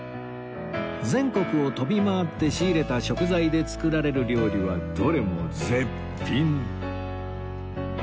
全国を飛び回って仕入れた食材で作られる料理はどれも絶品！